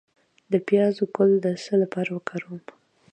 د پیاز ګل د څه لپاره وکاروم؟